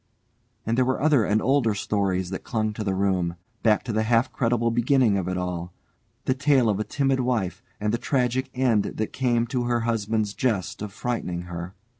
And there were other and older stories that clung to the room, back to the half credible beginning of it all, the tale of a timid wife and the tragic end that came to her husband's jest of frightening her.